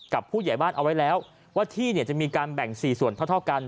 ผู้ใหญ่บ้านเอาไว้แล้วว่าที่เนี่ยจะมีการแบ่ง๔ส่วนเท่ากัน